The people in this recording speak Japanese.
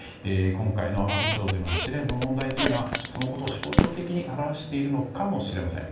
今回の阿武町での一連の問題はそのことを象徴的に表しているのかもしれません。